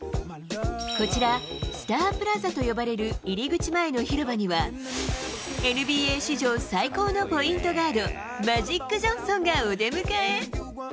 こちら、スタープラザと呼ばれる入り口前の広場には、ＮＢＡ史上最高のポイントガード、マジック・ジョンソンがお出迎え。